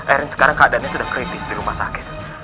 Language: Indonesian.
erin sekarang keadaannya sedang kritis di rumah sakit